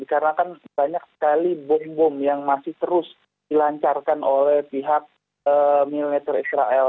karena kan banyak sekali bom bom yang masih terus dilancarkan oleh pihak militer israel